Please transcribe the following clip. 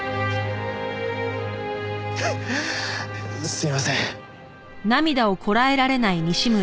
すいません。